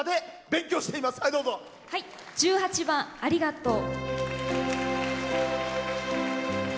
１８番「ありがとう」。